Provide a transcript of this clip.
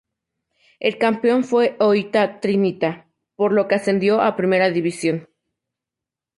El campeón fue Oita Trinita, por lo que ascendió a Primera División.